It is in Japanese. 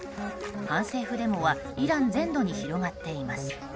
反政府デモはイラン全土に広がっています。